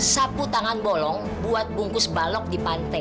sapu tangan bolong buat bungkus balok di pantai